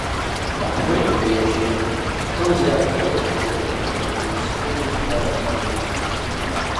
A print edition comes out every Wednesday during the Spring and Fall semesters.